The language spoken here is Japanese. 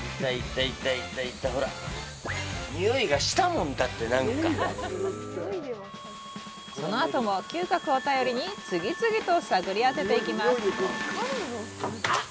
いたいたいたほらにおいがしたもんだってなんかこのあとも嗅覚を頼りに次々と探り当てていきますあっ